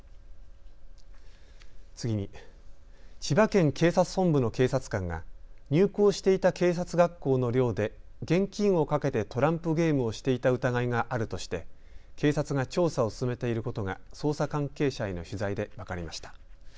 次に千葉県警察本部の警察官が入校していた警察学校の寮で現金を賭けてトランプゲームをしていた疑いがあるとして警察が調査を進めていることが捜査関係者への取材で分かりました。